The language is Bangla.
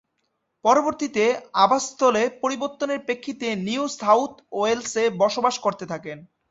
পরবর্তীতে আবাসস্থল পরিবর্তনের প্রেক্ষিতে নিউ সাউথ ওয়েলসে বসবাস করতে থাকেন।